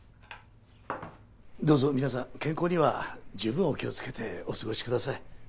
どうぞ皆さん健康にはじゅうぶんお気を付けてお過ごしください。